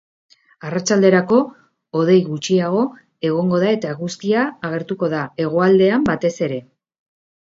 Arratsalderako hodei gutxiago egongo da eta eguzkia agertuko da, hegoaldean batez ere.